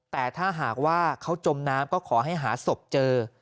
แต่ถ้าหากว่าเขาจมน้ำก็ขอให้หาศพเจอ